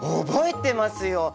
覚えてますよ！